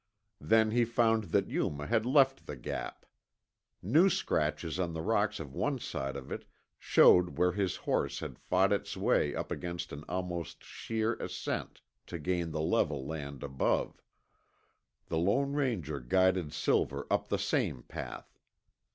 Then he found that Yuma had left the Gap. New scratches on the rocks of one side of it showed where his horse had fought its way up an almost sheer ascent to gain the level land above. The Lone Ranger guided Silver up the same path.